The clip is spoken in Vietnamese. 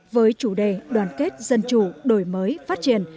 với chủ đề đoàn kết dân chủ đổi mới phát triển